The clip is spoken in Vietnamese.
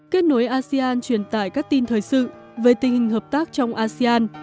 kết nối asean truyền tải các tin thời sự về tình hình hợp tác trong asean